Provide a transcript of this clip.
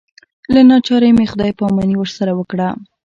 له ناچارۍ مې خدای پاماني ورسره وکړه.